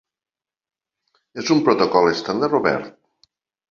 És un protocol estàndard obert.